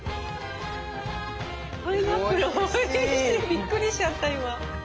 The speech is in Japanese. びっくりしちゃった今。